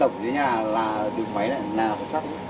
không tổng dưới nhà là từ máy này nhà là hộp sắt